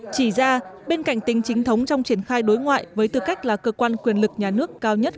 chỉ ra bên cạnh tính chính thống trong triển khai đối ngoại với tư cách là cơ quan quyền lực nhà nước cao nhất